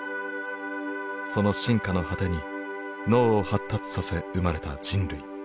その進化の果てに脳を発達させ生まれた人類。